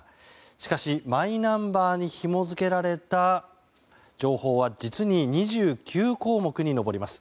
しかしマイナンバーにひも付けられた情報は、実に２９項目に上ります。